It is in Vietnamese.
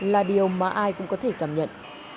là điều mà ai cũng có thể cảm nhận